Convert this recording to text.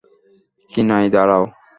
কিনাই, দাঁড়াও।